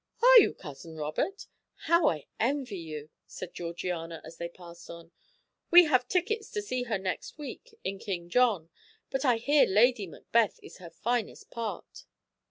"Are you, Cousin Robert? How I envy you!" said Georgiana, as they passed on. "We have tickets to see her next week in King John; but I hear Lady Macbeth is her finest part."